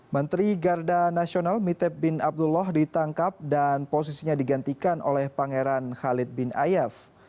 menteri garda nasional mitep bin abdullah ditangkap dan posisinya digantikan oleh pangeran khalid bin ayaf